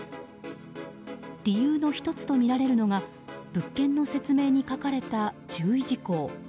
理由の１つとみられるのが物件の説明に書かれた注意事項。